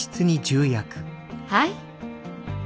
はい。